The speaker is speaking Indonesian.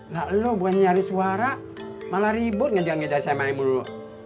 lo bukan nyari suara malah ribut ngejar ngajar sama ibu lo